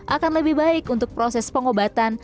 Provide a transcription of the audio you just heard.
akan lebih baik untuk proses pengobatan